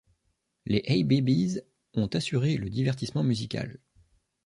Les Hay Babies ont assurées le divertissement musical.